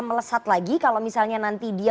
melesat lagi kalau misalnya nanti dia